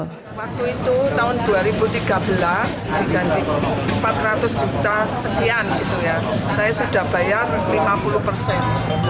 waktu itu tahun dua ribu tiga belas dijanjikan empat ratus juta sekian saya sudah bayar lima puluh persen